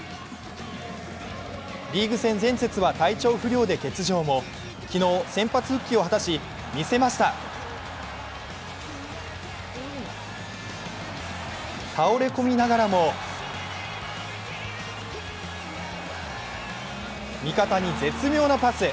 リーグ戦前節は体調不良で欠場も昨日、先発復帰を果たし見せました倒れ込みながらも味方に絶妙なパス。